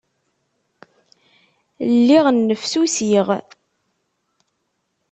Lliɣ nnefsusiɣ.